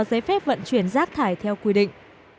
giấy phép vận chuyển rác thải theo quy định